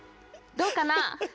どうかな？